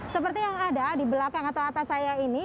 seperti yang ada di belakang atau atas saya ini